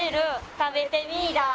「食べてみいだ！」